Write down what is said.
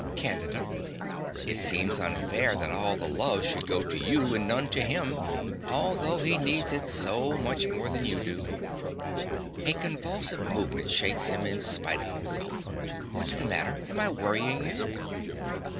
CANDIDA. It seems unfair that all the love should go to you, and none to him, although he needs it so much more than you do. (A convulsive movement shakes him in spite of himself.) What's the matter? Am I worrying you?